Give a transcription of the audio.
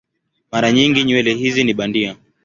Mara nyingi nywele hizi ni bandia.